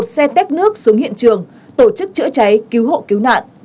một xe tét nước xuống hiện trường tổ chức chữa cháy cứu hộ cứu nạn